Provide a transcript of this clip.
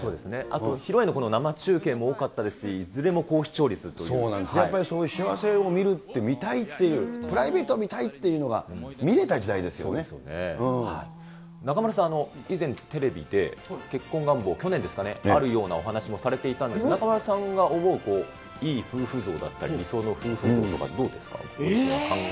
あと披露宴の生中継も多かったですし、そうなんです、やっぱり幸せを見るって、見たいっていう、プライベートを見たいっていうの中丸さん、以前、テレビで結婚願望、去年ですかね、あるようなお話もされていたんですが、中丸さんが思ういい夫婦像だったり、理想の夫婦像とかってどうですか？